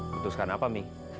putuskan apa mi